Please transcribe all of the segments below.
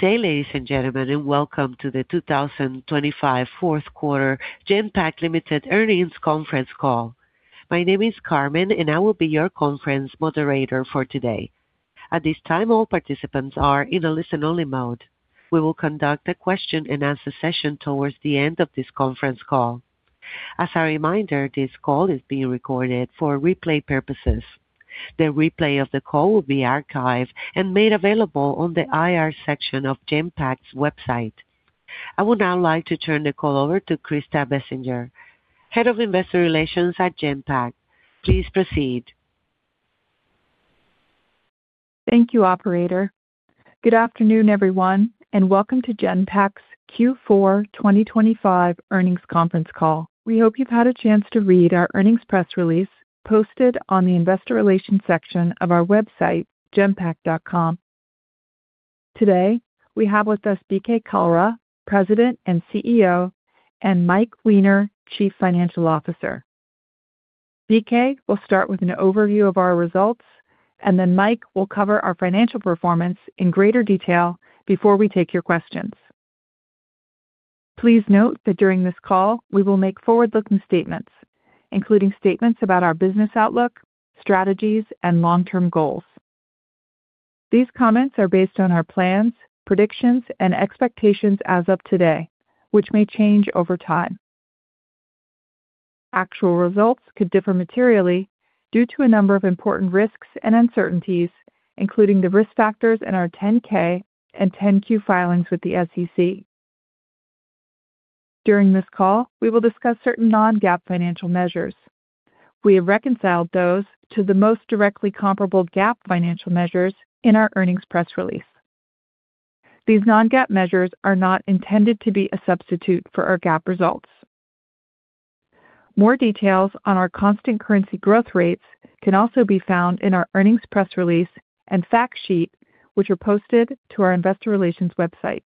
Good day, ladies and gentlemen, and welcome to the 2025 fourth quarter Genpact Limited Earnings Conference Call. My name is Carmen, and I will be your conference moderator for today. At this time, all participants are in a listen-only mode. We will conduct a question-and-answer session towards the end of this conference call. As a reminder, this call is being recorded for replay purposes. The replay of the call will be archived and made available on the IR section of Genpact's website. I would now like to turn the call over to Krista Bessinger, Head of Investor Relations at Genpact. Please proceed. Thank you, operator. Good afternoon, everyone, and welcome to Genpact's Q4 2025 earnings conference call. We hope you've had a chance to read our earnings press release posted on the investor relations section of our website, genpact.com. Today, we have with us BK Kalra, President and CEO, and Mike Weiner, Chief Financial Officer. BK will start with an overview of our results, and then Mike will cover our financial performance in greater detail before we take your questions. Please note that during this call, we will make forward-looking statements, including statements about our business outlook, strategies, and long-term goals. These comments are based on our plans, predictions, and expectations as of today, which may change over time. Actual results could differ materially due to a number of important risks and uncertainties, including the risk factors in our 10-K and 10-Q filings with the SEC. During this call, we will discuss certain non-GAAP financial measures. We have reconciled those to the most directly comparable GAAP financial measures in our earnings press release. These non-GAAP measures are not intended to be a substitute for our GAAP results. More details on our constant currency growth rates can also be found in our earnings press release and fact sheet, which are posted to our investor relations website.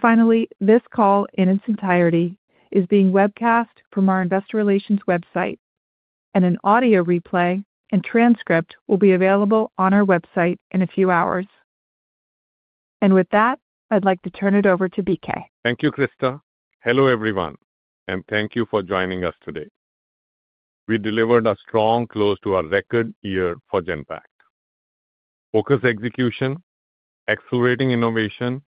Finally, this call in its entirety is being webcast from our investor relations website, and an audio replay and transcript will be available on our website in a few hours. With that, I'd like to turn it over to BK. Thank you, Krista. Hello, everyone, and thank you for joining us today. We delivered a strong close to our record year for Genpact. Focused execution, accelerating innovation,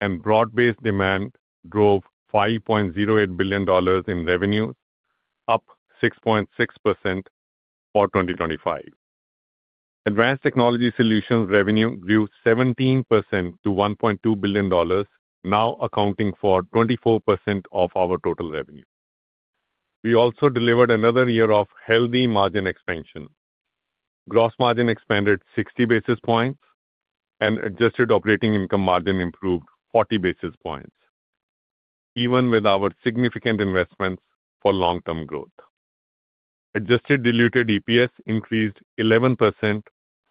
and broad-based demand drove $5.08 billion in revenues, up 6.6% for 2025.Advanced Technology Solutions revenue grew 17% to $1.2 billion, now accounting for 24% of our total revenue. We also delivered another year of healthy margin expansion. gross margin expanded 60 basis points, and adjusted operating income margin improved 40 basis points, even with our significant investments for long-term growth. Adjusted diluted EPS increased 11%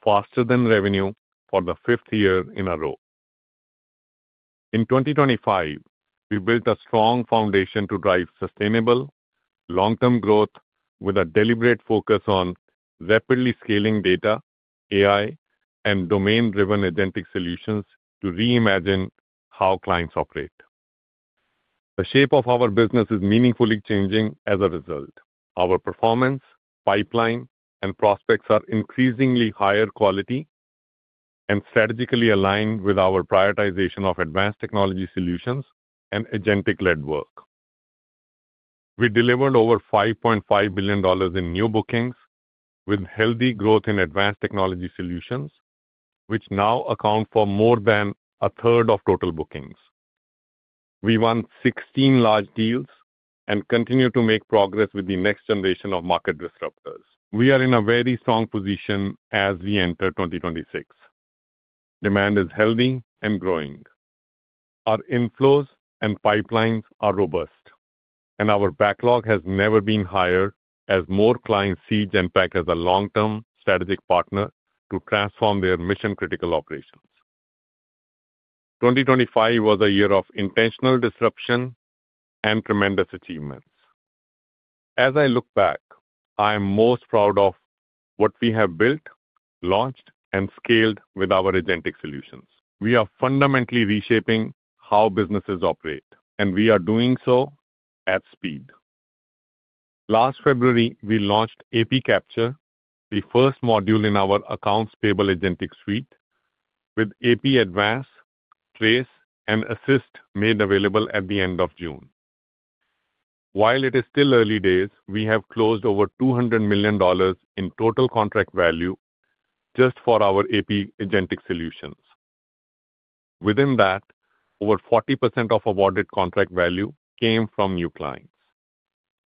faster than revenue for the 5th year in a row. In 2025, we built a strong foundation to drive sustainable, long-term growth with a deliberate focus on rapidly scaling data, AI, and domain-driven agentic solutions to reimagine how clients operate. The shape of our business is meaningfully changing as a result. Our performance, pipeline, and prospects are increasingly higher quality and strategically aligned with our prioritization ofAdvanced Technology Solutions and agentic-led work. We delivered over $5.5 billion in new bookings, with healthy growth inAdvanced Technology Solutions, which now account for more than a third of total bookings. We won 16 large deals and continue to make progress with the next generation of market disruptors. We are in a very strong position as we enter 2026. Demand is healthy and growing. Our inflows and pipelines are robust, and our backlog has never been higher as more clients see Genpact as a long-term strategic partner to transform their mission-critical operations. 2025 was a year of intentional disruption and tremendous achievements. As I look back, I am most proud of what we have built, launched, and scaled with our agentic solutions. We are fundamentally reshaping how businesses operate, and we are doing so at speed. Last February, we launched AP Capture, the first module in our accounts payable agentic suite, with AP Advance, Trace, and Assist made available at the end of June. While it is still early days, we have closed over $200 million in total contract value just for our AP agentic solutions. Within that, over 40% of awarded contract value came from new clients.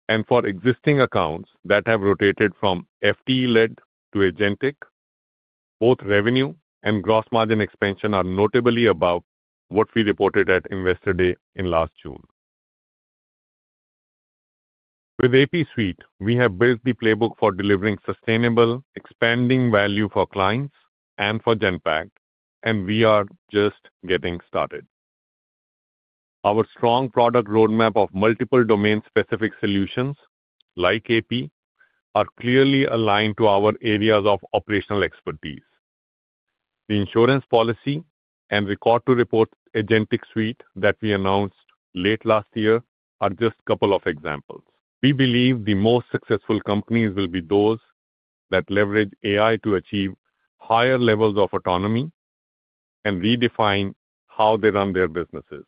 And for existing accounts that have rotated from FTE-led to agentic, both revenue and gross margin expansion are notably above what we reported at Investor Day in last June. With AP Suite, we have built the playbook for delivering sustainable, expanding value for clients and for Genpact, and we are just getting started. Our strong product roadmap of multiple domain-specific solutions, like AP, are clearly aligned to our areas of operational expertise. The insurance policy and Record to Report Agentic Suite that we announced late last year are just a couple of examples. We believe the most successful companies will be those that leverage AI to achieve higher levels of autonomy and redefine how they run their businesses.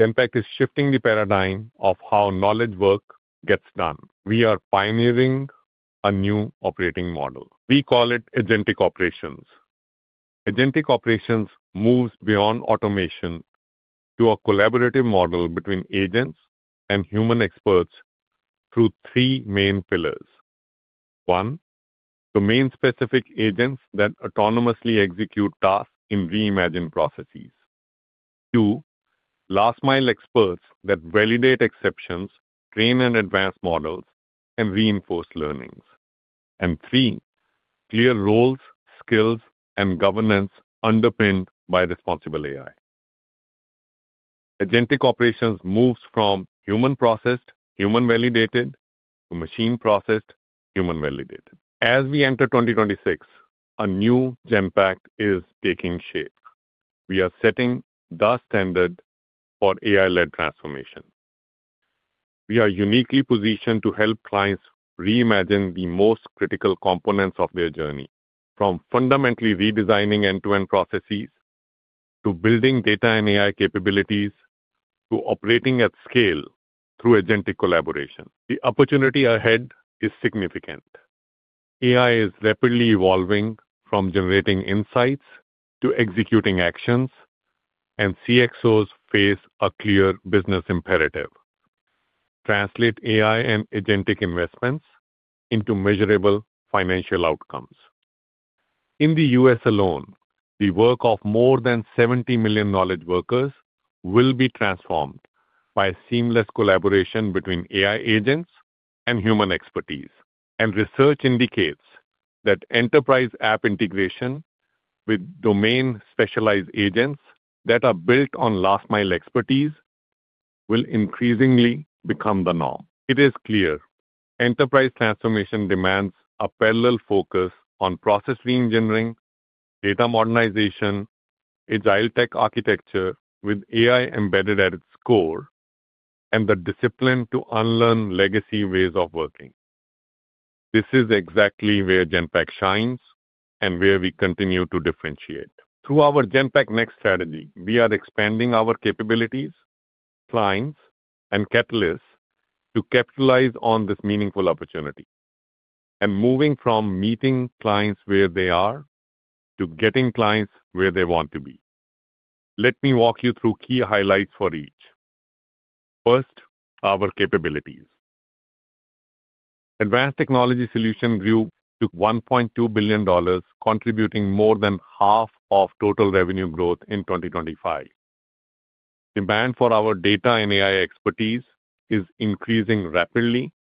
Genpact is shifting the paradigm of how knowledge work gets done. We are pioneering a new operating model. We call it Agentic Operations. Agentic Operations moves beyond automation to a collaborative model between agents and human experts through three main pillars: one, domain-specific agents that autonomously execute tasks in reimagined processes. 2, last-mile experts that validate exceptions, train and advance models, and reinforce learnings. And 3, clear roles, skills, and governance underpinned by responsible AI. Agentic operations moves from human-processed, human-validated to machine-processed, human-validated. As we enter 2026, a new Genpact is taking shape. We are setting the standard for AI-led transformation. We are uniquely positioned to help clients reimagine the most critical components of their journey, from fundamentally redesigning end-to-end processes, to building data and AI capabilities, to operating at scale through agentic collaboration. The opportunity ahead is significant. AI is rapidly evolving from generating insights to executing actions, and CXOs face a clear business imperative: translate AI and agentic investments into measurable financial outcomes. In the U.S. alone, the work of more than 70 million knowledge workers will be transformed by a seamless collaboration between AI agents and human expertise. Research indicates that enterprise app integration with domain-specialized agents that are built on last-mile expertise will increasingly become the norm. It is clear: enterprise transformation demands a parallel focus on process reengineering, data modernization, agile tech architecture with AI embedded at its core, and the discipline to unlearn legacy ways of working. This is exactly where Genpact shines and where we continue to differentiate. Through our Genpact Next strategy, we are expanding our capabilities, clients, and catalysts to capitalize on this meaningful opportunity, and moving from meeting clients where they are to getting clients where they want to be. Let me walk you through key highlights for each. First, our capabilities. Advanced Technology Solutions grew to $1.2 billion, contributing more than half of total revenue growth in 2025. Demand for our data and AI expertise is increasing rapidly,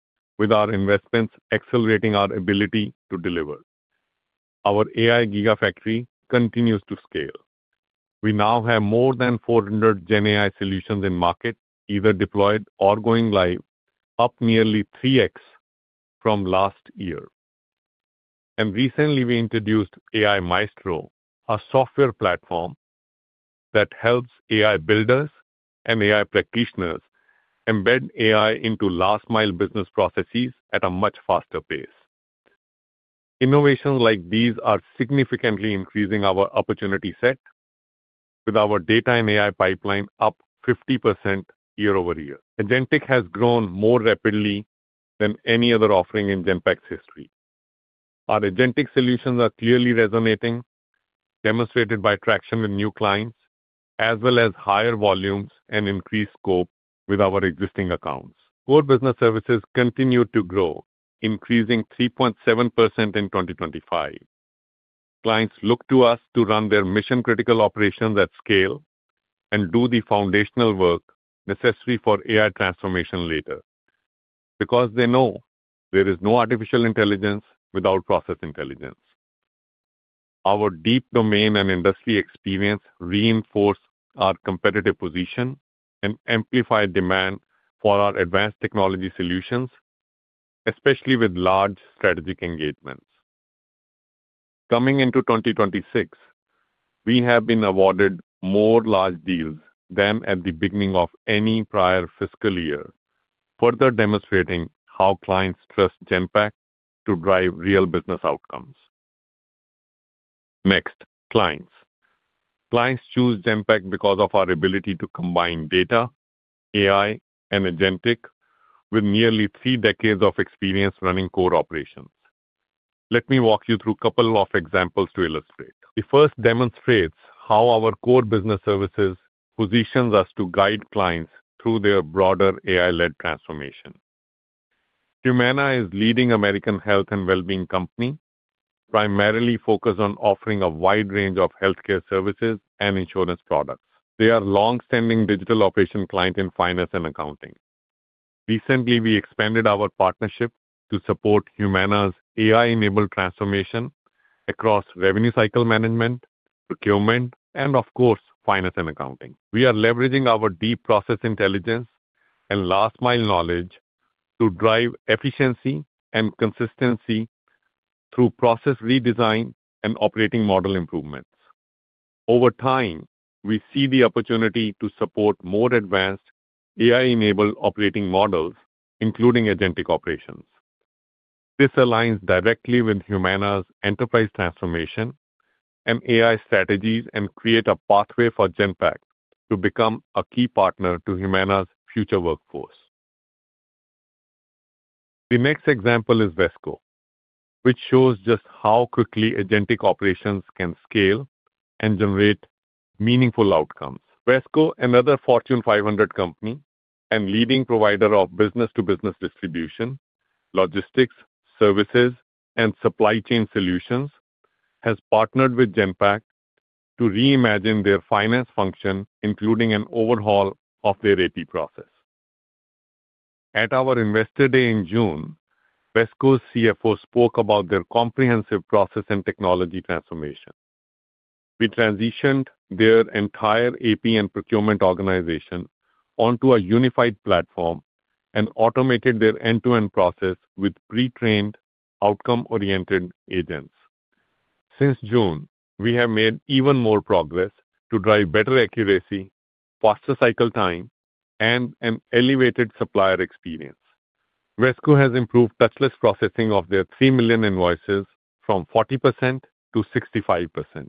with our investments accelerating our ability to deliver. Our AI Gigafactory continues to scale. We now have more than 400 GenAI solutions in market, either deployed or going live, up nearly 3x from last year. Recently, we introduced AI Maestro, a software platform that helps AI builders and AI practitioners embed AI into last-mile business processes at a much faster pace. Innovations like these are significantly increasing our opportunity set, with our data and AI pipeline up 50% year-over-year. Agentic has grown more rapidly than any other offering in Genpact's history. Our agentic solutions are clearly resonating, demonstrated by traction with new clients, as well as higher volumes and increased scope with our existing accounts. Core Business Services continued to grow, increasing 3.7% in 2025. Clients look to us to run their mission-critical operations at scale and do the foundational work necessary for AI transformation later, because they know there is no artificial intelligence without process intelligence. Our deep domain and industry experience reinforce our competitive position and amplify demand for ourAdvanced Technology Solutions, especially with large strategic engagements. Coming into 2026, we have been awarded more large deals than at the beginning of any prior fiscal year, further demonstrating how clients trust Genpact to drive real business outcomes. Next, clients. Clients choose Genpact because of our ability to combine data, AI, and agentic with nearly three decades of experience running core operations. Let me walk you through a couple of examples to illustrate. The first demonstrates how our core business services positions us to guide clients through their broader AI-led transformation. Humana is a leading American health and well-being company, primarily focused on offering a wide range of healthcare services and insurance products. They are a long-standing Digital Operations client in finance and accounting. Recently, we expanded our partnership to support Humana's AI-enabled transformation across revenue cycle management, procurement, and of course, finance and accounting. We are leveraging our deep process intelligence and last-mile knowledge to drive efficiency and consistency through process redesign and operating model improvements. Over time, we see the opportunity to support more advanced AI-enabled operating models, including agentic operations. This aligns directly with Humana's enterprise transformation and AI strategies, and create a pathway for Genpact to become a key partner to Humana's future workforce. The next example is Wesco, which shows just how quickly agentic operations can scale and generate meaningful outcomes. Wesco, another Fortune 500 company and leading provider of business-to-business distribution, logistics, services, and supply chain solutions, has partnered with Genpact to reimagine their finance function, including an overhaul of their AP process. At our Investor Day in June, Wesco's CFO spoke about their comprehensive process and technology transformation. We transitioned their entire AP and procurement organization onto a unified platform and automated their end-to-end process with pre-trained, outcome-oriented agents. Since June, we have made even more progress to drive better accuracy, faster cycle time, and an elevated supplier experience. Wesco has improved touchless processing of their 3 million invoices from 40% to 65%.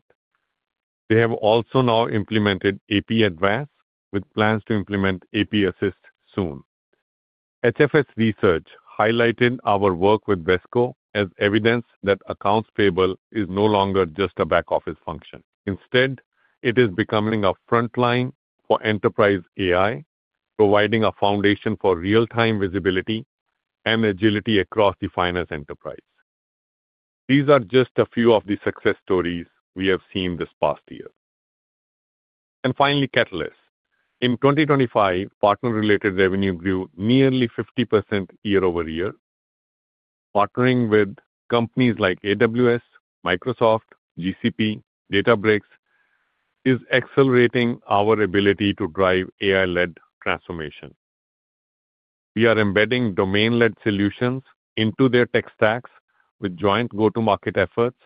They have also now implemented AP Advance, with plans to implement AP Assist soon. HFS Research highlighted our work with Wesco as evidence that accounts payable is no longer just a back-office function. Instead, it is becoming a frontline for enterprise AI, providing a foundation for real-time visibility and agility across the finance enterprise. These are just a few of the success stories we have seen this past year. And finally, Catalyst. In 2025, partner-related revenue grew nearly 50% year-over-year. Partnering with companies like AWS, Microsoft, GCP, Databricks, is accelerating our ability to drive AI-led transformation. We are embedding domain-led solutions into their tech stacks with joint go-to-market efforts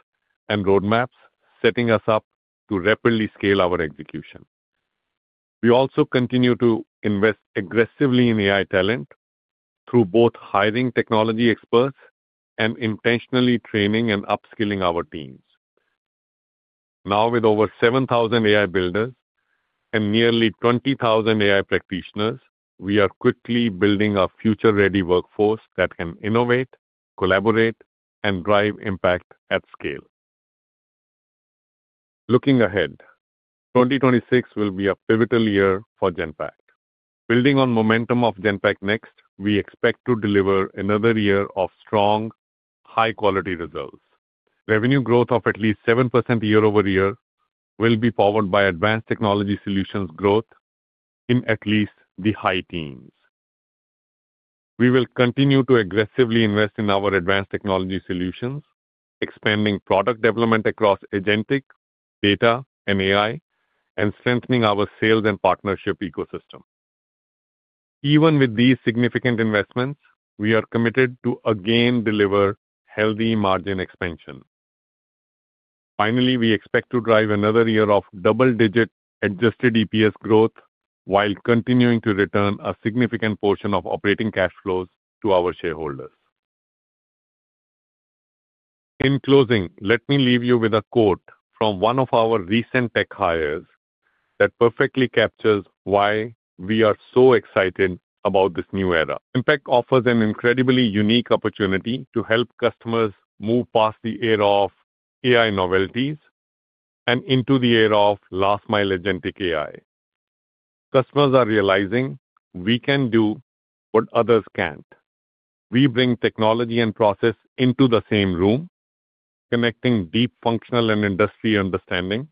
and roadmaps, setting us up to rapidly scale our execution. We also continue to invest aggressively in AI talent through both hiring technology experts and intentionally training and upskilling our teams. Now, with over 7,000 AI builders and nearly 20,000 AI practitioners, we are quickly building a future-ready workforce that can innovate, collaborate, and drive impact at scale. Looking ahead, 2026 will be a pivotal year for Genpact. Building on momentum of Genpact Next, we expect to deliver another year of strong, high-quality results. Revenue growth of at least 7% year-over-year will be powered byAdvanced Technology Solutions growth in at least the high teens. We will continue to aggressively invest in ourAdvanced Technology Solutions, expanding product development across agentic, data, and AI, and strengthening our sales and partnership ecosystem. Even with these significant investments, we are committed to again deliver healthy margin expansion. Finally, we expect to drive another year of double-digit adjusted EPS growth while continuing to return a significant portion of operating cash flows to our shareholders. In closing, let me leave you with a quote from one of our recent tech hires that perfectly captures why we are so excited about this new era. Genpact offers an incredibly unique opportunity to help customers move past the era of AI novelties and into the era of last-mile agentic AI." Customers are realizing we can do what others can't. We bring technology and process into the same room, connecting deep functional and industry understanding,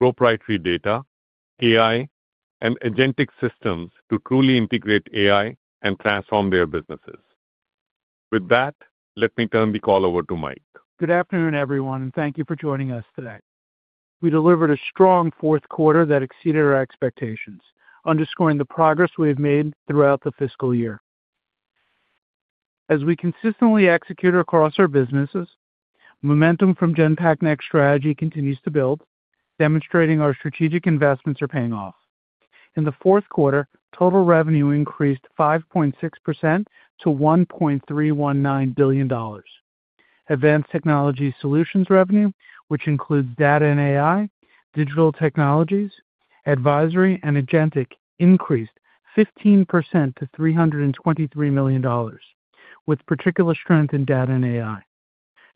proprietary data, AI, and agentic systems to truly integrate AI and transform their businesses. With that, let me turn the call over to Mike. Good afternoon, everyone, and thank you for joining us today. We delivered a strong fourth quarter that exceeded our expectations, underscoring the progress we have made throughout the fiscal year. As we consistently execute across our businesses, momentum from Genpact Next strategy continues to build, demonstrating our strategic investments are paying off. In the fourth quarter, total revenue increased 5.6% to $1.319 billion. Advanced Technology Solutions revenue, which includes data and AI, digital technologies, advisory, and agentic, increased 15% to $323 million, with particular strength in data and AI.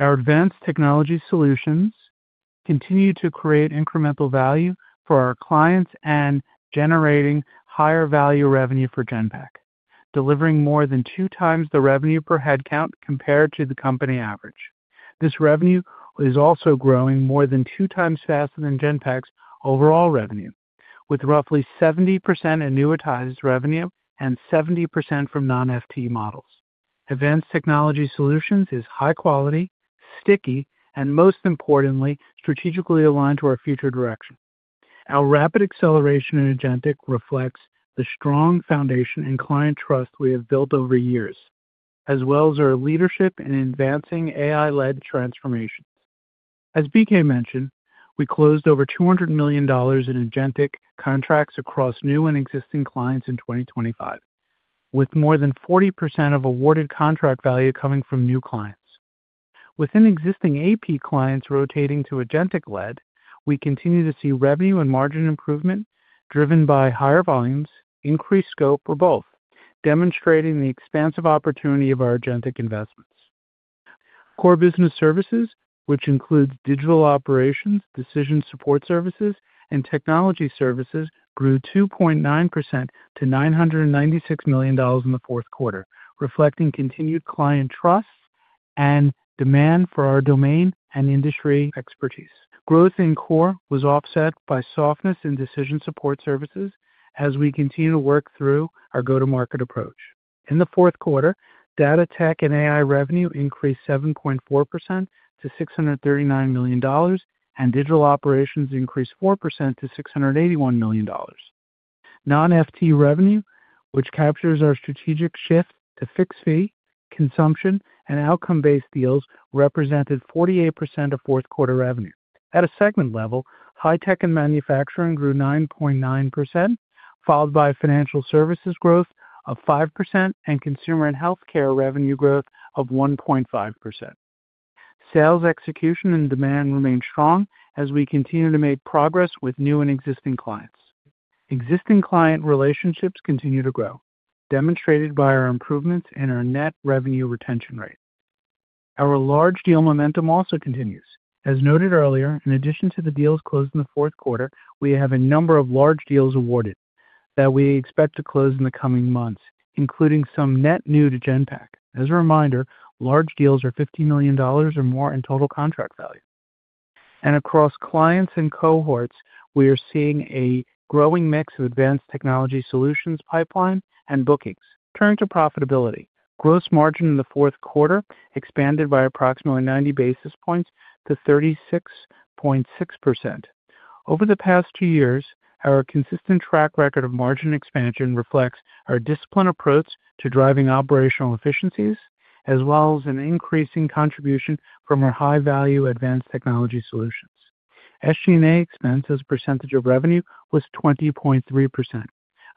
OurAdvanced Technology Solutions continue to create incremental value for our clients and generating higher value revenue for Genpact, delivering more than 2x the revenue per headcount compared to the company average.... This revenue is also growing more than 2 times faster than Genpact's overall revenue, with roughly 70% annuitized revenue and 70% from non-FTE models. Advanced Technology Solutions is high quality, sticky, and most importantly, strategically aligned to our future direction. Our rapid acceleration in agentic reflects the strong foundation and client trust we have built over years, as well as our leadership in advancing AI-led transformations. As BK mentioned, we closed over $200 million in agentic contracts across new and existing clients in 2025, with more than 40% of awarded contract value coming from new clients. Within existing AP clients rotating to agentic-led, we continue to see revenue and margin improvement driven by higher volumes, increased scope, or both, demonstrating the expansive opportunity of our agentic investments. Core Business Services, which includes Digital Operations, Decision Support Services, and Technology Services, grew 2.9% to $996 million in the fourth quarter, reflecting continued client trust and demand for our domain and industry expertise. Growth in core was offset by softness in Decision Support Services as we continue to work through our go-to-market approach. In the fourth quarter, Data-Tech-AI revenue increased 7.4% to $639 million, and Digital Operations increased 4% to $681 million. Non-FTE revenue, which captures our strategic shift to fixed-fee, consumption, and outcome-based deals, represented 48% of fourth quarter revenue. At a segment level, High Tech and Manufacturing grew 9.9%, followed by Financial Services growth of 5% and Consumer and Healthcare revenue growth of 1.5%. Sales execution and demand remain strong as we continue to make progress with new and existing clients. Existing client relationships continue to grow, demonstrated by our improvements in our net revenue retention rate. Our large deal momentum also continues. As noted earlier, in addition to the deals closed in the fourth quarter, we have a number of large deals awarded that we expect to close in the coming months, including some net new to Genpact. As a reminder, large deals are $50 million or more in total contract value. Across clients and cohorts, we are seeing a growing mix ofAdvanced Technology Solutions pipeline and bookings. Turning to profitability. Gross Margin in the fourth quarter expanded by approximately 90 basis points to 36.6%. Over the past two years, our consistent track record of margin expansion reflects our disciplined approach to driving operational efficiencies, as well as an increasing contribution from our high-valueAdvanced Technology Solutions. SG&A expense as a percentage of revenue was 20.3%.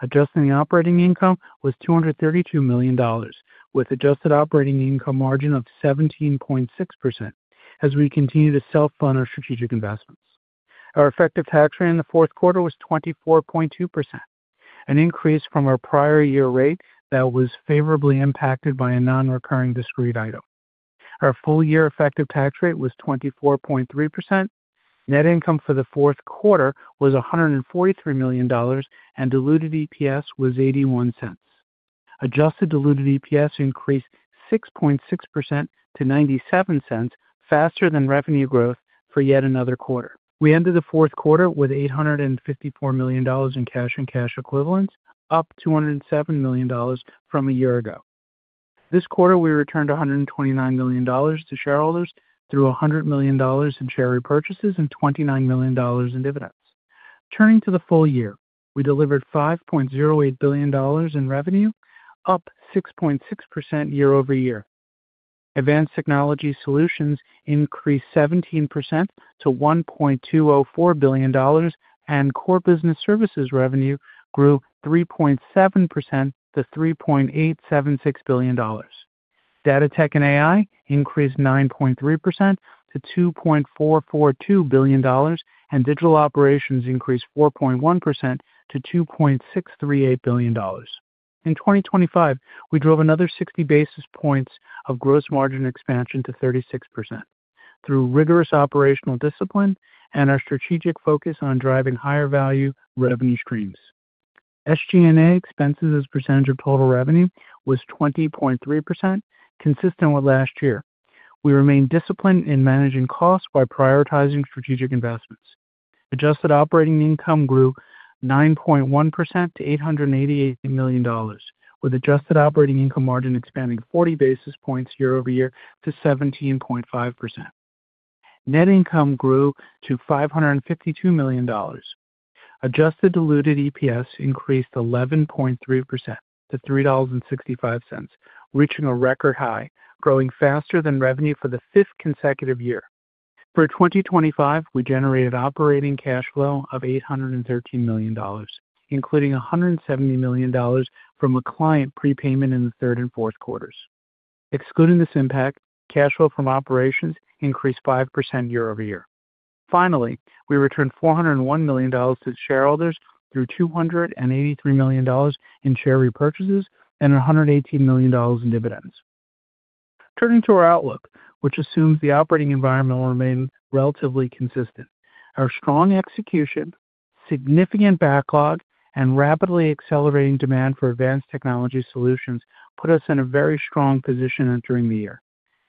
Adjusted operating income was $232 million, with adjusted operating income margin of 17.6% as we continue to self-fund our strategic investments. Our effective tax rate in the fourth quarter was 24.2%, an increase from our prior year rate that was favorably impacted by a non-recurring discrete item. Our full-year effective tax rate was 24.3%. Net income for the fourth quarter was $143 million, and diluted EPS was $0.81. Adjusted diluted EPS increased 6.6% to $0.97, faster than revenue growth for yet another quarter. We ended the fourth quarter with $854 million in cash and cash equivalents, up $207 million from a year ago. This quarter, we returned $129 million to shareholders through $100 million in share repurchases and $29 million in dividends. Turning to the full year, we delivered $5.08 billion in revenue, up 6.6% year-over-year. Advanced Technology Solutions increased 17% to $1.204 billion, and Core Business Services revenue grew 3.7% to $3.876 billion. Data-Tech-AI increased 9.3% to $2.442 billion, and digital operations increased 4.1% to $2.638 billion. In 2025, we drove another 60 basis points of gross margin expansion to 36% through rigorous operational discipline and our strategic focus on driving higher-value revenue streams. SG&A expenses as a percentage of total revenue was 20.3%, consistent with last year. We remain disciplined in managing costs by prioritizing strategic investments. Adjusted operating income grew 9.1% to $888 million, with adjusted operating income margin expanding 40 basis points year-over-year to 17.5%. Net income grew to $552 million. Adjusted diluted EPS increased 11.3% to $3.65, reaching a record high, growing faster than revenue for the fifth consecutive year. For 2025, we generated operating cash flow of $813 million, including $170 million from a client prepayment in the third and fourth quarters. Excluding this impact, cash flow from operations increased 5% year-over-year. Finally, we returned $401 million to shareholders through $283 million in share repurchases and $118 million in dividends. Turning to our outlook, which assumes the operating environment will remain relatively consistent. Significant backlog and rapidly accelerating demand forAdvanced Technology Solutions put us in a very strong position entering the year.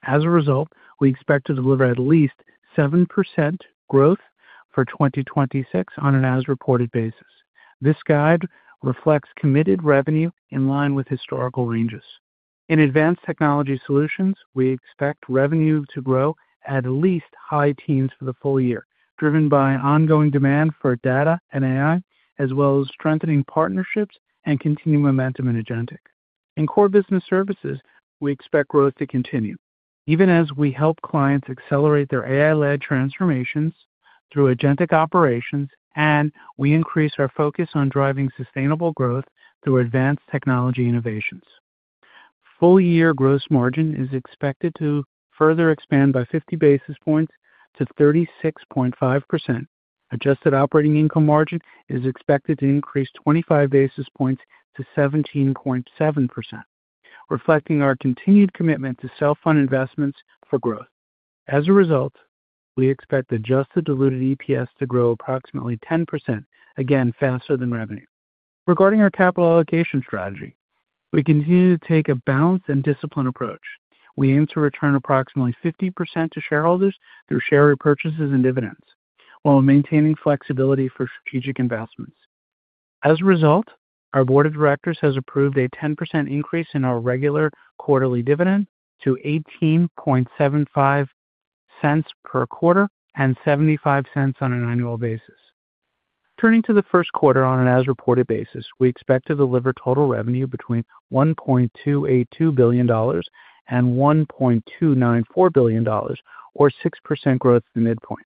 As a result, we expect to deliver at least 7% growth for 2026 on an as-reported basis. This guide reflects committed revenue in line with historical ranges. InAdvanced Technology Solutions, we expect revenue to grow at least high teens for the full year, driven by ongoing demand for data and AI, as well as strengthening partnerships and continued momentum in agentic. In Core Business Services, we expect growth to continue, even as we help clients accelerate their AI-led transformations through agentic operations, and we increase our focus on driving sustainable growth through advanced technology innovations. Full-year Gross Margin is expected to further expand by 50 basis points to 36.5%. Adjusted Operating Income margin is expected to increase 25 basis points to 17.7%, reflecting our continued commitment to self-fund investments for growth. As a result, we expect Adjusted Diluted EPS to grow approximately 10%, again, faster than revenue. Regarding our capital allocation strategy, we continue to take a balanced and disciplined approach. We aim to return approximately 50% to shareholders through share repurchases and dividends, while maintaining flexibility for strategic investments. As a result, our board of directors has approved a 10% increase in our regular quarterly dividend to $0.1875 per quarter and $0.75 on an annual basis. Turning to the first quarter on an as-reported basis, we expect to deliver total revenue between $1.282 billion and $1.294 billion, or 6% growth to midpoint.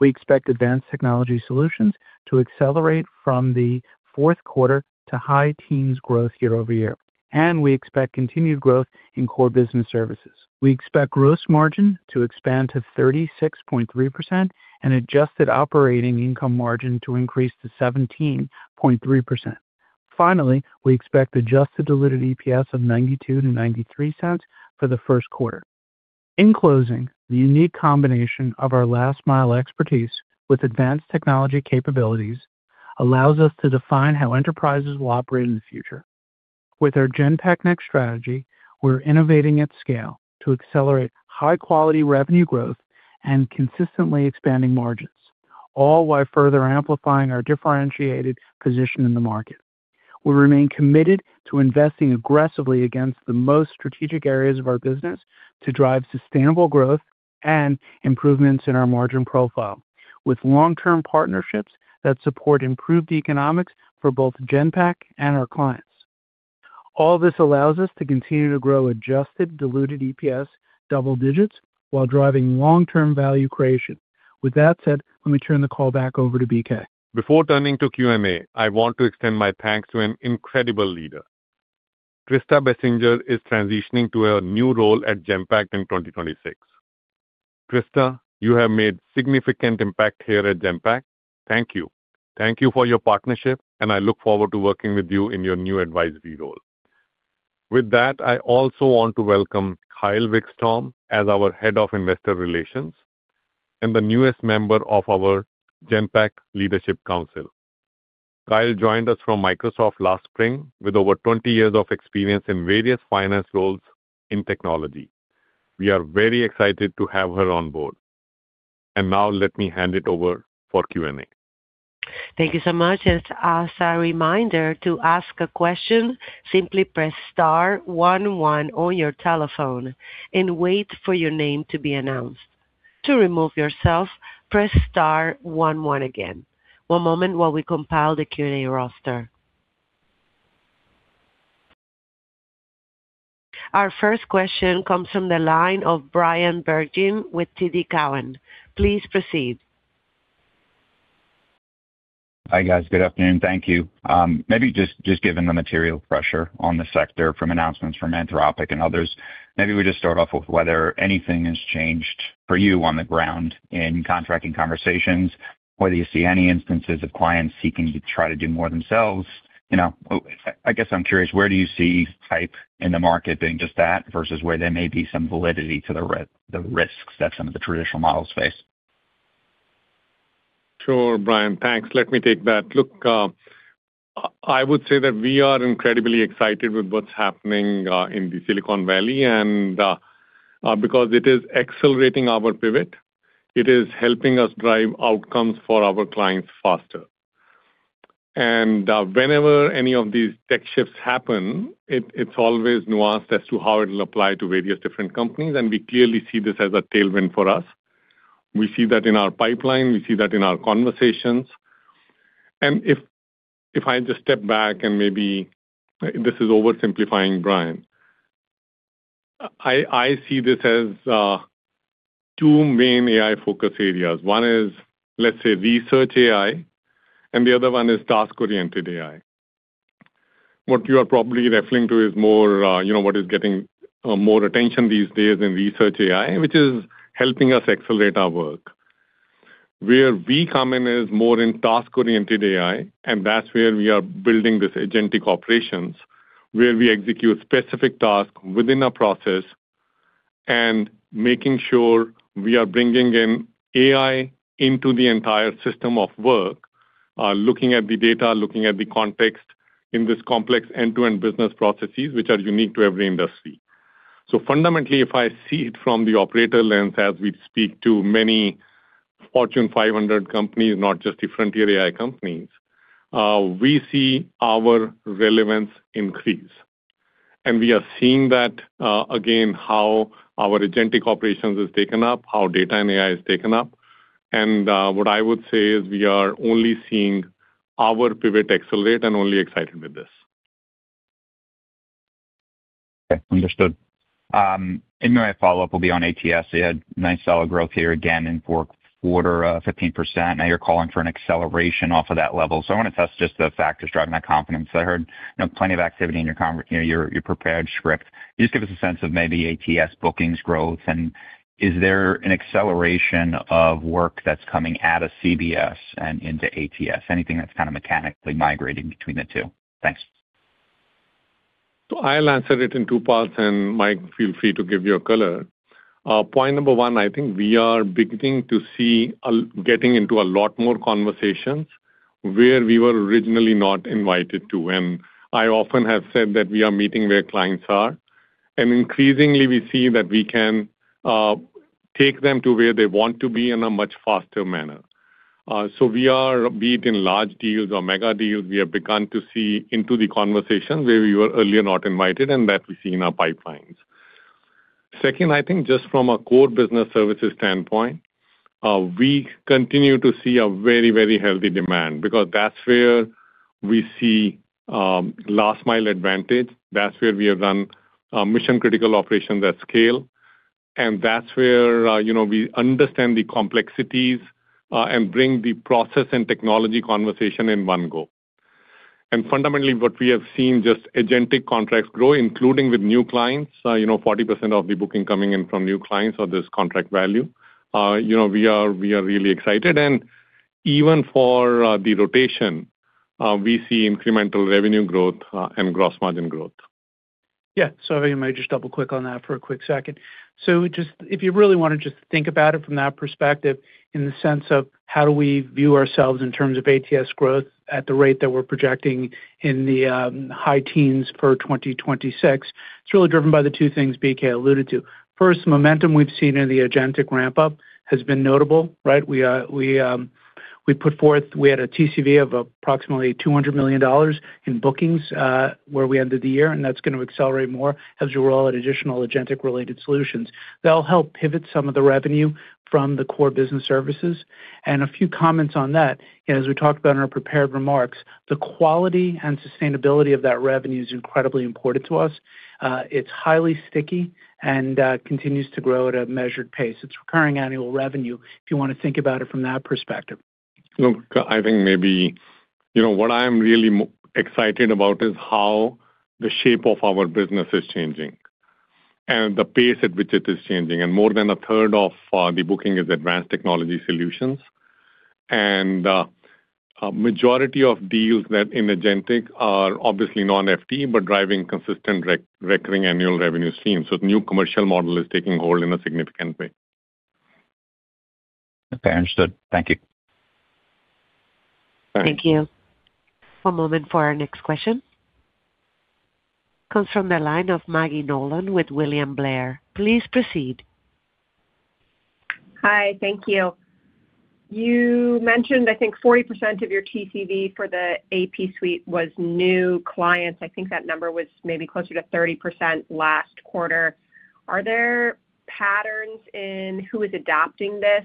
We expectAdvanced Technology Solutions to accelerate from the fourth quarter to high teens growth year-over-year, and we expect continued growth in Core Business Services. We expect gross margin to expand to 36.3% and adjusted operating income margin to increase to 17.3%. Finally, we expect adjusted diluted EPS of $0.92-$0.93 for the first quarter. In closing, the unique combination of our last-mile expertise with advanced technology capabilities allows us to define how enterprises will operate in the future. With our Genpact Next strategy, we're innovating at scale to accelerate high-quality revenue growth and consistently expanding margins, all while further amplifying our differentiated position in the market. We remain committed to investing aggressively against the most strategic areas of our business to drive sustainable growth and improvements in our margin profile, with long-term partnerships that support improved economics for both Genpact and our clients. All this allows us to continue to grow adjusted diluted EPS double digits while driving long-term value creation. With that said, let me turn the call back over to BK. Before turning to Q&A, I want to extend my thanks to an incredible leader. Krista Bessinger is transitioning to a new role at Genpact in 2026. Krista, you have made significant impact here at Genpact. Thank you. Thank you for your partnership, and I look forward to working with you in your new advisory role. With that, I also want to welcome Kyle Wickstrom as our Head of Investor Relations and the newest member of our Genpact Leadership Council. Kyle joined us from Microsoft last spring with over 20 years of experience in various finance roles in technology. We are very excited to have her on board. Now let me hand it over for Q&A. Thank you so much, and as a reminder, to ask a question, simply press star one one on your telephone and wait for your name to be announced. To remove yourself, press star one one again. One moment while we compile the Q&A roster. Our first question comes from the line of Bryan Bergin with TD Cowen. Please proceed. Hi, guys. Good afternoon. Thank you. Maybe just, just given the material pressure on the sector from announcements from Anthropic and others, maybe we just start off with whether anything has changed for you on the ground in contracting conversations, whether you see any instances of clients seeking to try to do more themselves. You know, I guess I'm curious, where do you see hype in the market being just that, versus where there may be some validity to the risks that some of the traditional models face? Sure, Bryan, thanks. Let me take that. Look, I would say that we are incredibly excited with what's happening in the Silicon Valley, and because it is accelerating our pivot, it is helping us drive outcomes for our clients faster. And whenever any of these tech shifts happen, it's always nuanced as to how it'll apply to various different companies, and we clearly see this as a tailwind for us. We see that in our pipeline, we see that in our conversations, and if I just step back, and maybe this is oversimplifying, Bryan, I see this as two main AI focus areas. One is, let's say, research AI, and the other one is task-oriented AI. What you are probably referring to is more, you know, what is getting more attention these days in research AI, which is helping us accelerate our work. Where we come in is more in task-oriented AI, and that's where we are building this agentic operations, where we execute specific tasks within a process... and making sure we are bringing in AI into the entire system of work, looking at the data, looking at the context in this complex end-to-end business processes, which are unique to every industry. So fundamentally, if I see it from the operator lens, as we speak to many Fortune 500 companies, not just the frontier AI companies, we see our relevance increase. And we are seeing that, again, how our agentic operations has taken up, how data and AI has taken up. What I would say is we are only seeing our pivot accelerate and only excited with this. Okay, understood. My follow-up will be on ATS. You had nice solid growth here again in fourth quarter, 15%. Now you're calling for an acceleration off of that level. So I want to test just the factors driving that confidence. I heard, you know, plenty of activity in your, you know, your prepared script. Just give us a sense of maybe ATS bookings growth, and is there an acceleration of work that's coming out of CBS and into ATS? Anything that's kind of mechanically migrating between the two? Thanks. So I'll answer it in two parts, and Mike, feel free to give your color. Point number one, I think we are beginning to see getting into a lot more conversations where we were originally not invited to. I often have said that we are meeting where clients are, and increasingly, we see that we can take them to where they want to be in a much faster manner. So we are, be it in large deals or mega deals, we have begun to see into the conversation where we were earlier not invited, and that we see in our pipelines. Second, I think just from a core business services standpoint, we continue to see a very, very healthy demand because that's where we see last mile advantage. That's where we have done, mission-critical operations at scale, and that's where, you know, we understand the complexities, and bring the process and technology conversation in one go. And fundamentally, what we have seen, just agentic contracts grow, including with new clients, you know, 40% of the booking coming in from new clients of this contract value. You know, we are really excited, and even for, the rotation, we see incremental revenue growth, and gross margin growth. Yeah. So I might just double-click on that for a quick second. So just... If you really want to just think about it from that perspective, in the sense of how do we view ourselves in terms of ATS growth at the rate that we're projecting in the high teens for 2026, it's really driven by the two things BK alluded to. First, momentum we've seen in the agentic ramp-up has been notable, right? We had a TCV of approximately $200 million in bookings where we ended the year, and that's going to accelerate more as you roll out additional agentic-related solutions. That'll help pivot some of the revenue from the core business services. A few comments on that, as we talked about in our prepared remarks, the quality and sustainability of that revenue is incredibly important to us. It's highly sticky and continues to grow at a measured pace. It's recurring annual revenue, if you want to think about it from that perspective. Look, I think maybe, you know, what I'm really excited about is how the shape of our business is changing and the pace at which it is changing, and more than a third of the booking isAdvanced Technology Solutions. And a majority of deals that in agentic are obviously non-FTE, but driving consistent recurring annual revenue stream. So the new commercial model is taking hold in a significant way. Okay, understood. Thank you. All right. Thank you. One moment for our next question. Comes from the line of Maggie Nolan with William Blair. Please proceed. Hi, thank you. You mentioned, I think, 40% of your TCV for the AP Suite was new clients. I think that number was maybe closer to 30% last quarter. Are there patterns in who is adopting this?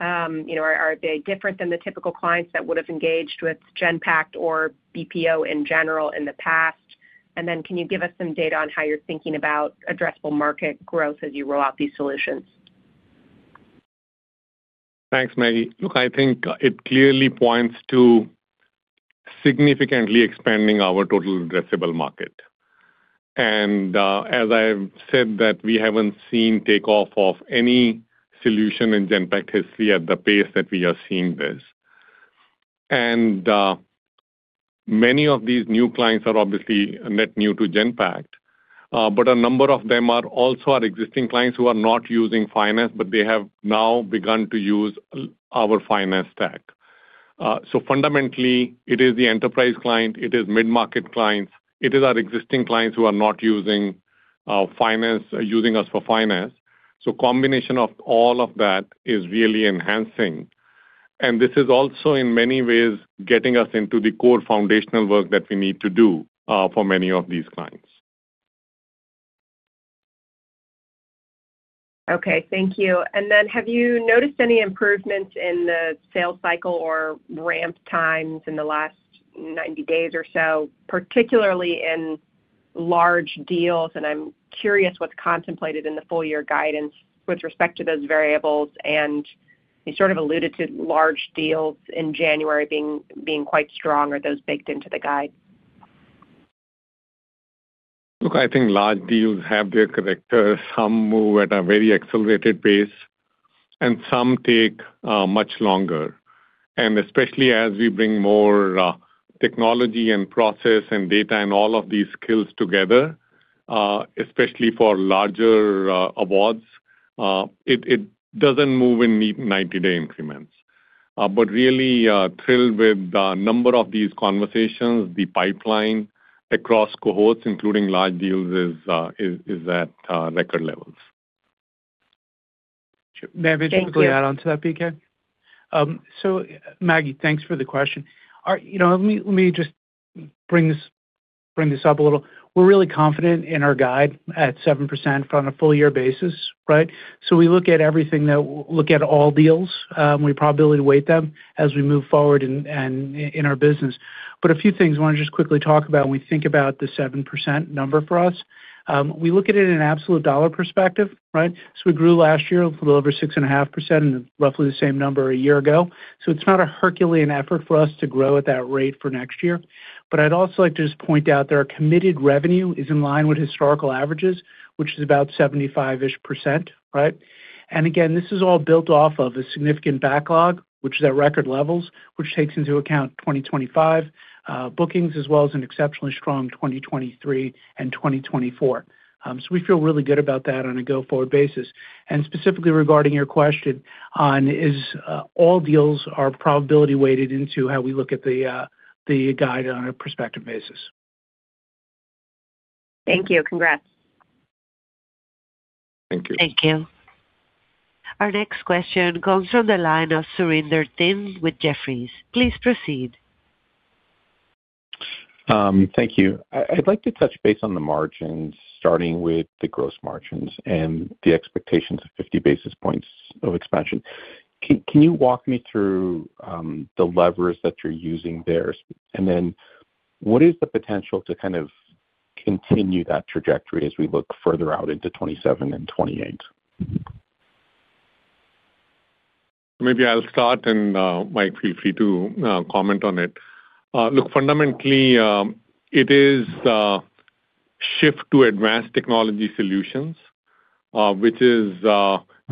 You know, are they different than the typical clients that would have engaged with Genpact or BPO in general in the past? And then can you give us some data on how you're thinking about addressable market growth as you roll out these solutions? Thanks, Maggie. Look, I think it clearly points to significantly expanding our total addressable market. As I've said, that we haven't seen takeoff of any solution in Genpact history at the pace that we are seeing this. Many of these new clients are obviously net new to Genpact, but a number of them are also our existing clients who are not using finance, but they have now begun to use our finance tech. So fundamentally, it is the enterprise client, it is mid-market clients, it is our existing clients who are not using finance, using us for finance. So combination of all of that is really enhancing, and this is also in many ways, getting us into the core foundational work that we need to do for many of these clients. Okay, thank you. And then, have you noticed any improvements in the sales cycle or ramp times in the last 90 days or so, particularly in large deals? And I'm curious what's contemplated in the full year guidance with respect to those variables, and you sort of alluded to large deals in January being, being quite strong. Are those baked into the guide? Look, I think large deals have their character. Some move at a very accelerated pace... and some take much longer. And especially as we bring more technology and process and data and all of these skills together, especially for larger awards, it doesn't move in 90-day increments. But really, thrilled with the number of these conversations. The pipeline across cohorts, including large deals, is at record levels. Thank you. May I just quickly add on to that, BK? So Maggie, thanks for the question. You know, let me, let me just bring this, bring this up a little. We're really confident in our guide at 7% on a full year basis, right? So we look at everything that... We look at all deals, we probability weight them as we move forward and, and in our business. But a few things I wanna just quickly talk about when we think about the 7% number for us. We look at it in an absolute dollar perspective, right? So we grew last year a little over 6.5% and roughly the same number a year ago. So it's not a Herculean effort for us to grow at that rate for next year. But I'd also like to just point out that our committed revenue is in line with historical averages, which is about 75-ish%, right? And again, this is all built off of a significant backlog, which is at record levels, which takes into account 2025 bookings, as well as an exceptionally strong 2023 and 2024. So we feel really good about that on a go-forward basis. And specifically regarding your question on all deals are probability weighted into how we look at the guide on a prospective basis. Thank you. Congrats. Thank you. Thank you. Our next question comes from the line of Surinder Thind with Jefferies. Please proceed. Thank you. I'd like to touch base on the margins, starting with the gross margins and the expectations of 50 basis points of expansion. Can you walk me through the levers that you're using there? And then what is the potential to kind of continue that trajectory as we look further out into 2027 and 2028? Maybe I'll start, and, Mike, feel free to, comment on it. Look, fundamentally, it is a shift toAdvanced Technology Solutions, which is,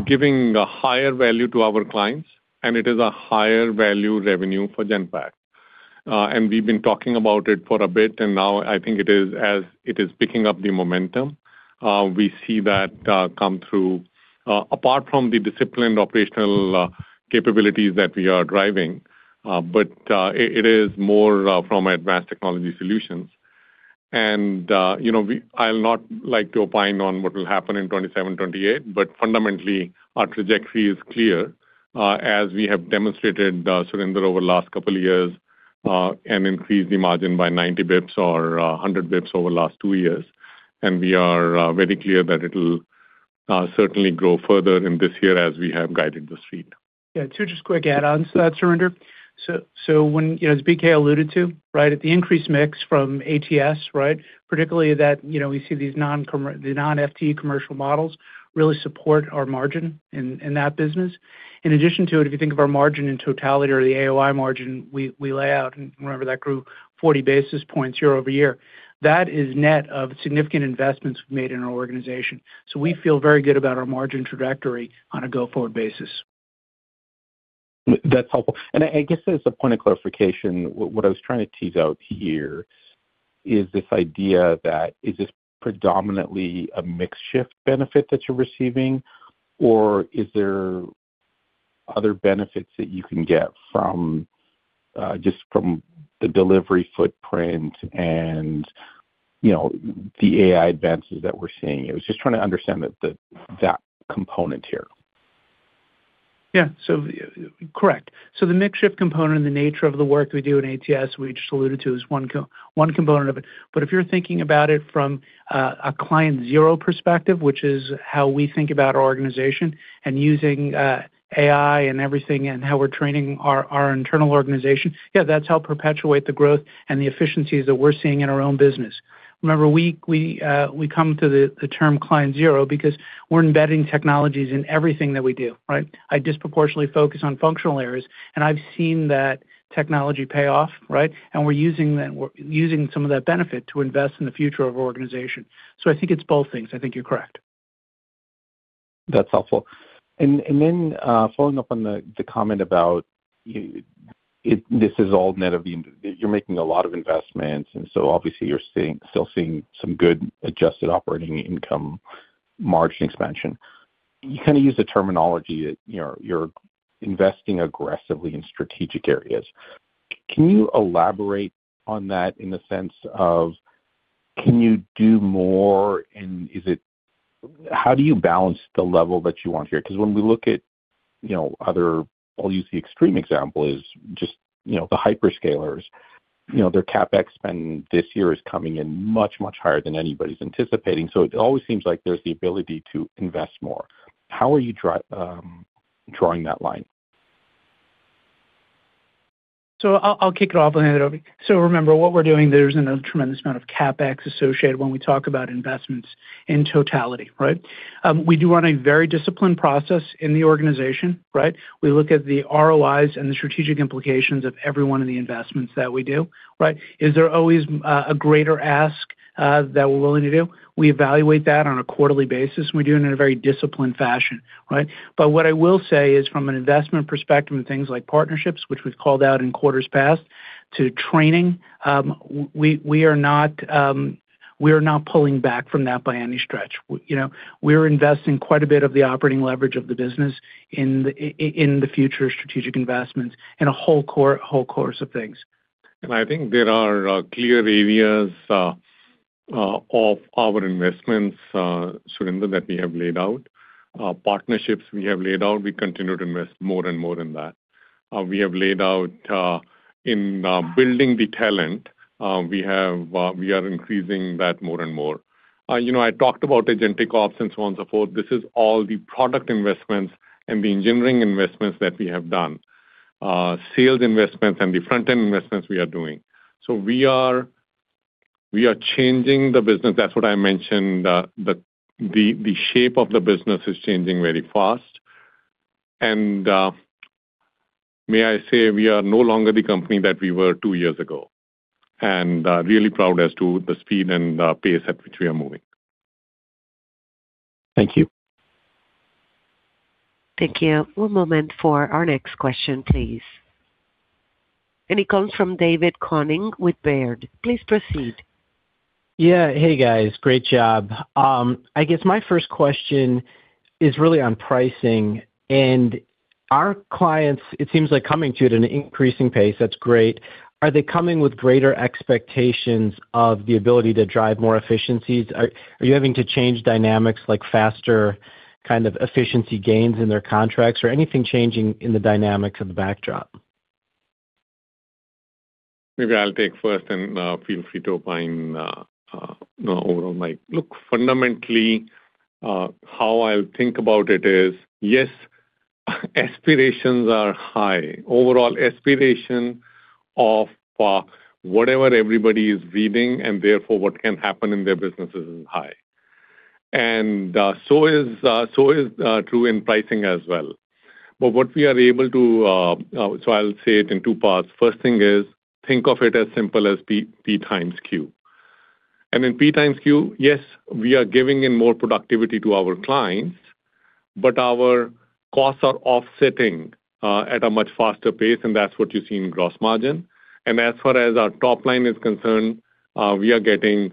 giving a higher value to our clients, and it is a higher value revenue for Genpact. And we've been talking about it for a bit, and now I think it is as it is picking up the momentum, we see that, come through, apart from the disciplined operational, capabilities that we are driving, but, it, it is more, fromAdvanced Technology Solutions. You know, I'll not like to opine on what will happen in 2027, 2028, but fundamentally, our trajectory is clear, as we have demonstrated, Surinder, over the last couple of years, and increased the margin by 90 basis points or 100 basis points over the last two years. We are very clear that it'll certainly grow further in this year as we have guided the street. Yeah, just two quick add-ons to that, Surinder. So, so when, you know, as BK alluded to, right, at the increased mix from ATS, right? Particularly that, you know, we see these non-commercial... the non-FTE commercial models really support our margin in, in that business. In addition to it, if you think of our margin in totality or the AOI margin, we, we lay out, and remember, that grew 40 basis points year-over-year. That is net of significant investments we've made in our organization. So we feel very good about our margin trajectory on a go-forward basis. That's helpful. I guess as a point of clarification, what I was trying to tease out here is this idea that is this predominantly a mix shift benefit that you're receiving, or is there other benefits that you can get from just the delivery footprint and, you know, the AI advances that we're seeing? I was just trying to understand that component here. Yeah, so correct. So the mix shift component and the nature of the work we do in ATS, we just alluded to, is one component of it. But if you're thinking about it from a Client Zero perspective, which is how we think about our organization, and using AI and everything, and how we're training our internal organization, yeah, that's helped perpetuate the growth and the efficiencies that we're seeing in our own business. Remember, we come to the term Client Zero because we're embedding technologies in everything that we do, right? I disproportionately focus on functional areas, and I've seen that technology pay off, right? And we're using some of that benefit to invest in the future of our organization. So I think it's both things. I think you're correct. That's helpful. And then, following up on the comment about this is all net of the... You're making a lot of investments, and so obviously you're seeing, still seeing some good adjusted operating income margin expansion. You kinda use the terminology that, you know, you're investing aggressively in strategic areas. Can you elaborate on that in the sense of, can you do more? And how do you balance the level that you want here? Because when we look at, you know, other, I'll use the extreme example, is just, you know, the hyperscalers. You know, their CapEx spend this year is coming in much, much higher than anybody's anticipating. So it always seems like there's the ability to invest more. How are you drawing that line? So I'll kick it off, and hand it over. So remember, what we're doing, there's a tremendous amount of CapEx associated when we talk about investments in totality, right? We do run a very disciplined process in the organization, right? We look at the ROIs and the strategic implications of every one of the investments that we do, right? Is there always a greater ask that we're willing to do? We evaluate that on a quarterly basis. We do it in a very disciplined fashion, right? But what I will say is, from an investment perspective and things like partnerships, which we've called out in quarters past, to training, we are not, we are not pulling back from that by any stretch. You know, we're investing quite a bit of the operating leverage of the business in the future strategic investments in a whole core, whole course of things. And I think there are clear areas of our investments, Surinder, that we have laid out. Partnerships we have laid out, we continue to invest more and more in that. We have laid out in building the talent, we have, we are increasing that more and more. You know, I talked about Agentic ops, and so on, so forth. This is all the product investments and the engineering investments that we have done. Sales investments and the front-end investments we are doing. So we are, we are changing the business. That's what I mentioned, the shape of the business is changing very fast. May I say, we are no longer the company that we were two years ago, and really proud as to the speed and pace at which we are moving. Thank you. Thank you. One moment for our next question, please. It comes from David Koning with Baird. Please proceed. Yeah. Hey, guys, great job. I guess my first question is really on pricing and our clients. It seems like coming to you at an increasing pace. That's great. Are they coming with greater expectations of the ability to drive more efficiencies? Are you having to change dynamics, like faster kind of efficiency gains in their contracts or anything changing in the dynamics of the backdrop? Maybe I'll take first and, feel free to opine, you know, overall, Mike. Look, fundamentally, how I'll think about it is, yes, aspirations are high. Overall aspiration of, whatever everybody is reading, and therefore what can happen in their business is, is high. And so is true in pricing as well. But what we are able to... So I'll say it in two parts. First thing is, think of it as simple as P times Q. And in P times Q, yes, we are giving in more productivity to our clients, but our costs are offsetting, at a much faster pace, and that's what you see in gross margin. And as far as our top line is concerned, we are getting,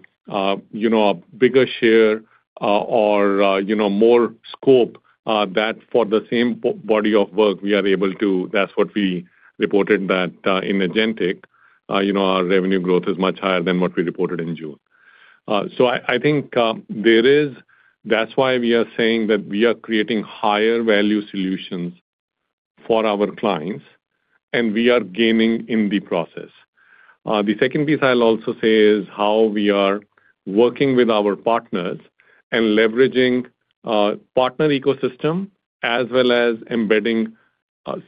you know, a bigger share, or, you know, more scope, that for the same body of work, we are able to... That's what we reported that, in Agentic. You know, our revenue growth is much higher than what we reported in June. So I, I think, there is, that's why we are saying that we are creating higher value solutions for our clients, and we are gaining in the process. The second piece I'll also say is how we are working with our partners and leveraging, partner ecosystem, as well as embedding,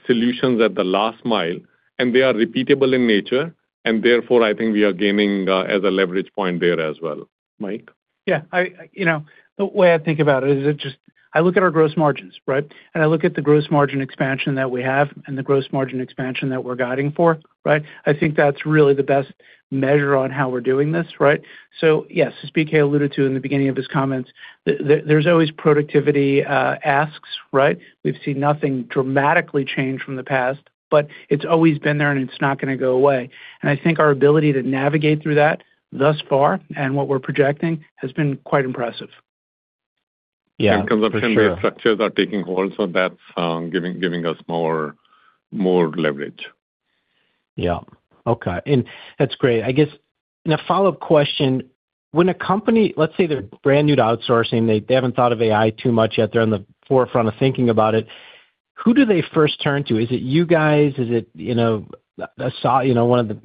solutions at the last mile, and they are repeatable in nature, and therefore, I think we are gaining, as a leverage point there as well. Mike? Yeah, you know, the way I think about it is it just, I look at our gross margins, right? And I look at the gross margin expansion that we have and the gross margin expansion that we're guiding for, right? I think that's really the best measure on how we're doing this, right? So yes, as BK alluded to in the beginning of his comments, there's always productivity asks, right? We've seen nothing dramatically change from the past, but it's always been there, and it's not gonna go away. And I think our ability to navigate through that thus far and what we're projecting has been quite impressive. Yeah, for sure. Consumption structures are taking hold, so that's giving us more leverage. Yeah. Okay, and that's great. I guess, and a follow-up question: When a company, let's say they're brand new to outsourcing, they haven't thought of AI too much yet, they're on the forefront of thinking about it. Who do they first turn to? Is it you guys? Is it, you know, Sa- you know, one of the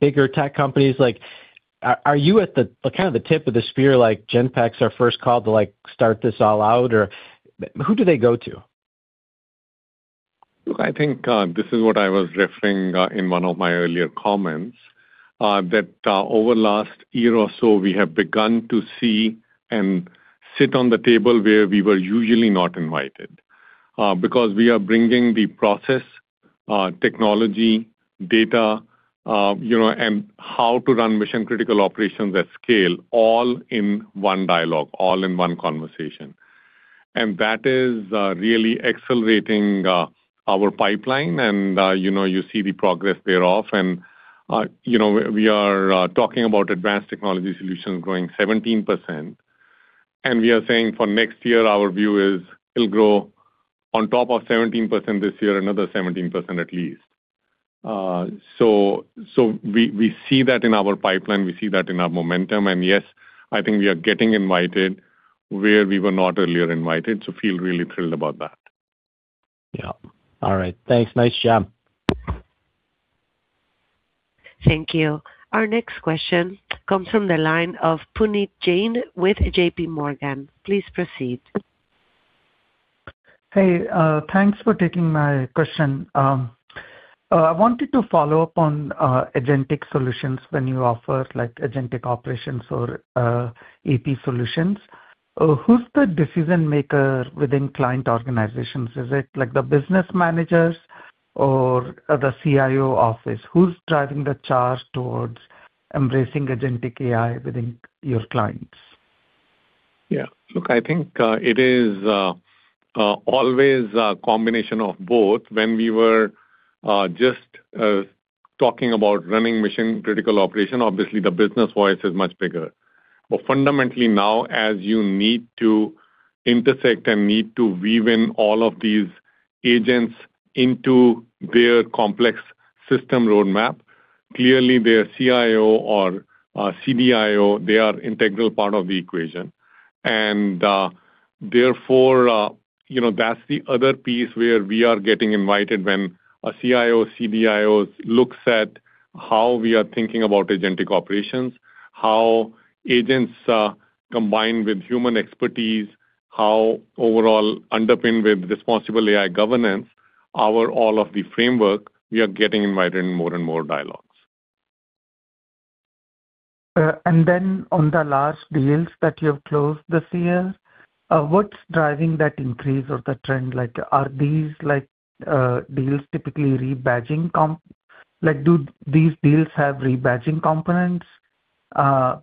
bigger tech companies? Like, are you at the, kind of the tip of the spear, like, Genpact's our first call to, like, start this all out, or who do they go to? Look, I think, this is what I was referring in one of my earlier comments, that over last year or so, we have begun to see and sit on the table where we were usually not invited. Because we are bringing the process, technology, data, you know, and how to run mission-critical operations at scale, all in one dialogue, all in one conversation. And that is really accelerating our pipeline, and you know, you see the progress thereof. And you know, we are talking aboutAdvanced Technology Solutions growing 17%, and we are saying for next year, our view is it'll grow on top of 17% this year, another 17% at least. So we see that in our pipeline, we see that in our momentum, and yes, I think we are getting invited where we were not earlier invited, so feel really thrilled about that. Yeah. All right. Thanks. Nice job. Thank you. Our next question comes from the line of Puneet Jain with J.P. Morgan. Please proceed. Hey, thanks for taking my question. I wanted to follow up on agentic solutions when you offer, like, agentic operations or AP solutions. Who's the decision maker within client organizations? Is it, like, the business managers or the CIO office? Who's driving the charge towards embracing agentic AI within your clients? Yeah. Look, I think, it is, always a combination of both. When we were, just, talking about running mission-critical operation, obviously the business voice is much bigger. But fundamentally now, as you need to intersect and need to weave in all of these agents into their complex system roadmap, clearly their CIO or, CDIO, they are integral part of the equation. And, therefore, you know, that's the other piece where we are getting invited when a CIO, CDIO looks at how we are thinking about agentic operations, how agents, combine with human expertise, how overall underpinned with responsible AI governance, our all of the framework, we are getting invited in more and more dialogues. And then on the large deals that you have closed this year, what's driving that increase or the trend? Like, are these, like, deals typically rebadging? Like, do these deals have rebadging components,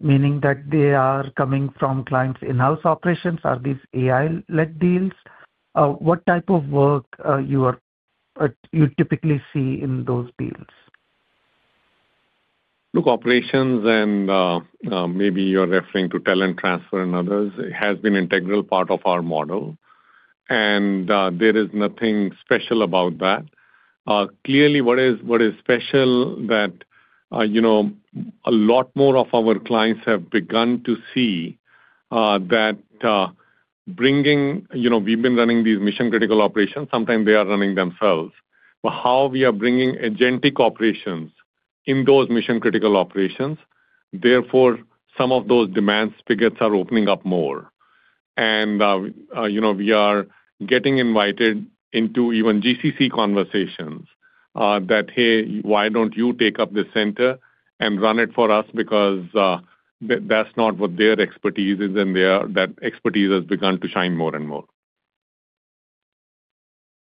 meaning that they are coming from clients' in-house operations? Are these AI-led deals? What type of work you typically see in those deals? Look, operations and, maybe you're referring to talent transfer and others, it has been integral part of our model, and, there is nothing special about that. Clearly, what is special that, you know, a lot more of our clients have begun to see, that, bringing— You know, we've been running these mission-critical operations. Sometimes they are running themselves. But how we are bringing agentic operations in those mission-critical operations, therefore, some of those demand spigots are opening up more. And, you know, we are getting invited into even GCC conversations, that, "Hey, why don't you take up this center and run it for us?" Because, that's not what their expertise is, and their, that expertise has begun to shine more and more.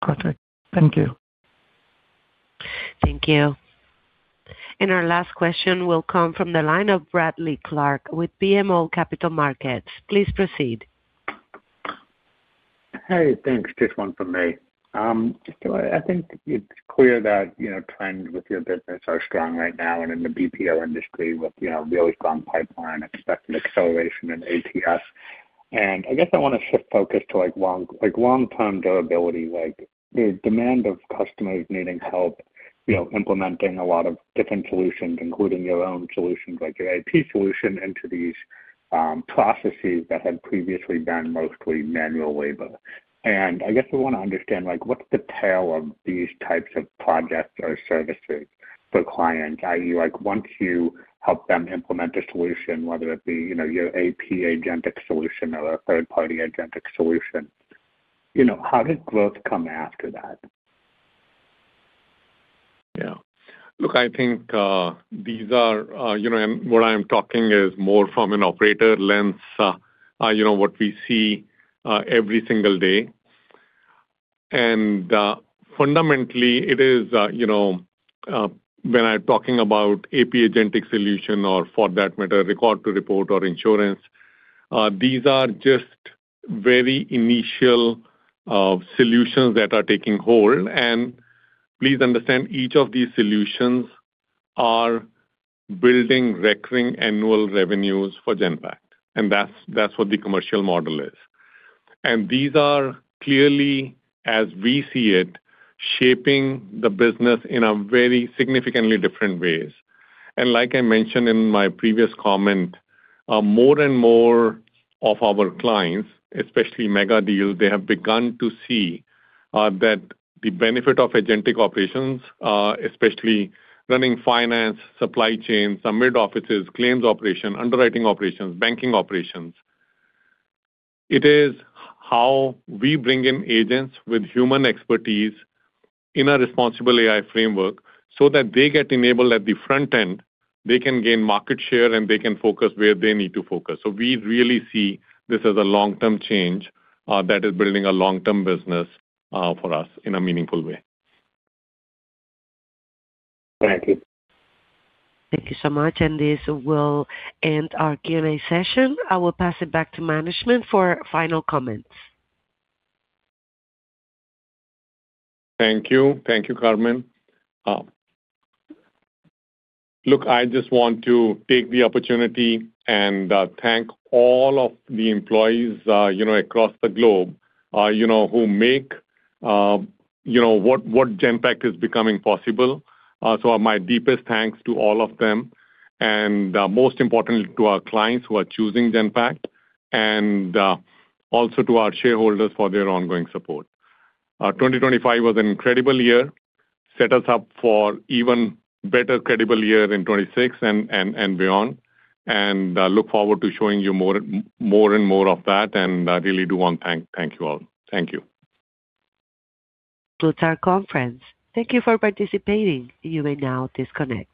Got it. Thank you. Thank you. And our last question will come from the line of Bradley Clark with BMO Capital Markets. Please proceed. Hey, thanks. Just one from me. So I think it's clear that, you know, trends with your business are strong right now and in the BPO industry with, you know, really strong pipeline, expected acceleration in ATS. And I guess I want to shift focus to, like, long, like, long-term durability. Like, the demand of customers needing help, you know, implementing a lot of different solutions, including your own solutions, like your AP solution, into these processes that had previously been mostly manual labor. And I guess I want to understand, like, what's the tail of these types of projects or services for clients? Like, once you help them implement a solution, whether it be, you know, your AP agentic solution or a third-party agentic solution, you know, how does growth come after that? Yeah. Look, I think, these are, you know, and what I'm talking is more from an operator lens, you know, what we see, every single day. And, fundamentally, it is, you know, when I'm talking about AP agentic solution or for that matter, record to report or insurance, these are just very initial, solutions that are taking hold. And please understand, each of these solutions are building recurring annual revenues for Genpact, and that's, that's what the commercial model is. And these are clearly, as we see it, shaping the business in a very significantly different ways. Like I mentioned in my previous comment, more and more of our clients, especially mega deals, they have begun to see that the benefit of agentic operations, especially running finance, supply chain, some mid-offices, claims operation, underwriting operations, banking operations, it is how we bring in agents with human expertise in a responsible AI framework so that they get enabled at the front end, they can gain market share, and they can focus where they need to focus. So we really see this as a long-term change that is building a long-term business for us in a meaningful way. Thank you. Thank you so much, and this will end our Q&A session. I will pass it back to management for final comments. Thank you. Thank you, Carmen. Look, I just want to take the opportunity and thank all of the employees, you know, across the globe, you know, who make, you know, what Genpact is becoming possible. So my deepest thanks to all of them and, most importantly, to our clients who are choosing Genpact, and also to our shareholders for their ongoing support. 2025 was an incredible year. Set us up for even better, incredible year in 2026 and beyond. Look forward to showing you more, more and more of that, and I really do want to thank you all. Thank you. Close our conference. Thank you for participating. You may now disconnect.